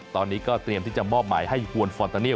ตอนนี้ก็เตรียมที่จะมอบหมายให้ฮวนฟอนตาเนียล